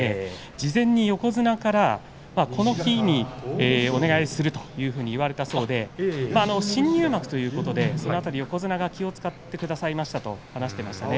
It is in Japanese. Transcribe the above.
事前に横綱から、この日にお願いをすると言われたそうで新入幕ということでその辺り横綱が気を遣ってくださいましたと話しています。